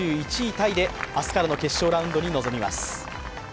タイで明日からの決勝ラウンドに臨みます。